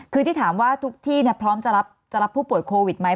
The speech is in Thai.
คือที่ถามว่าทุกที่พร้อมจะรับผู้ป่วยโควิดไหม